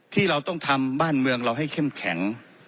ที่เราต้องทำบ้านเมืองเราให้เข้มแข็ง